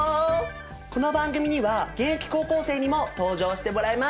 この番組には現役高校生にも登場してもらいます！